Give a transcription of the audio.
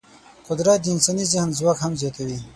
قدرت د انساني ذهن ځواک هم زیاتوي.